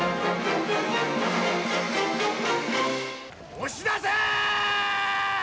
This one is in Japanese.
押し出せ！